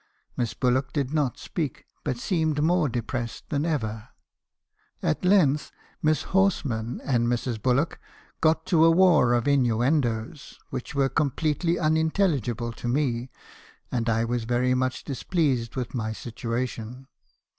Miss Bullock did not speak, but seemed more depressed than ever. At length u&. %uieison's CONFESSIONS. 263 Miss Horsman and Mrs. Bullock got to a war of inuendoes, which were completely unintelligible to me; and I was very much displeased with my situation.